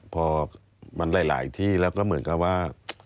พอมันหลายที่แล้วก็เหมือนกับว่า